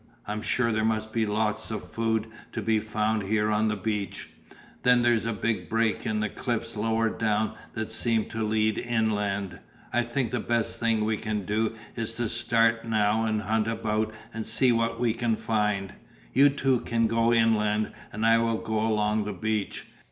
I'm sure there must be lots of food to be found here on the beach. Then there is a big break in the cliffs lower down that seems to lead inland. I think the best thing we can do is to start now and hunt about and see what we can find. You two can go inland, and I will go along the beach.